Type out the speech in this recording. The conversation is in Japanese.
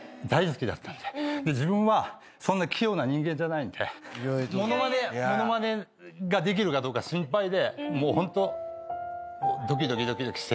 自分はそんな器用な人間じゃないんでモノマネモノマネができるかどうか心配でもうホントドキドキドキドキしてて。